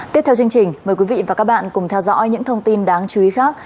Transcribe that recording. tiếp theo chương trình mời quý vị và các bạn cùng theo dõi những thông tin đáng chú ý khác